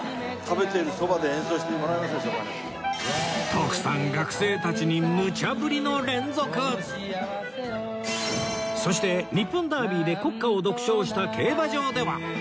徳さん学生たちにそして日本ダービーで国歌を独唱した競馬場では